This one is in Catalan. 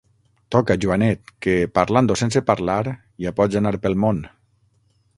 Toca, Joanet, que, parlant o sense parlar, ja pots anar pel món!